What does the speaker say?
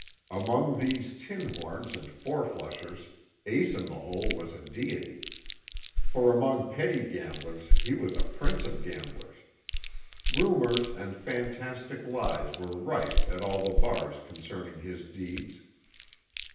Among these tin horns and four flushers, Ace In The Hole was a deity. For among petty gamblers he was a prince of gamblers. Rumors and fantastic lies were rife at all the bars concerning his deeds.